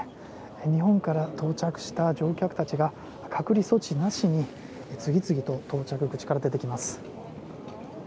日本から到着した乗客たちが隔離措置なしに次々と到着口から出てきます。